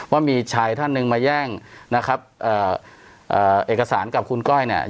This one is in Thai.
ว่ามีชายท่านหนึ่งมาแย่งนะครับเอ่อเอกสารกับคุณก้อยเนี่ย